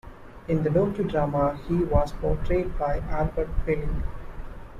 In the docudrama he was portrayed by Albert Welling.